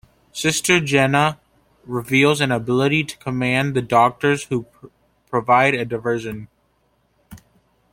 Sister Jenna reveals an ability to command the "doctors", who provide a diversion.